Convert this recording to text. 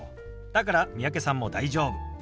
だから三宅さんも大丈夫。